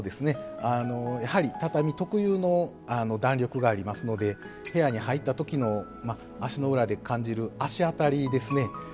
やはり畳特有の弾力がありますので部屋に入った時の足の裏で感じる「足あたり」ですね。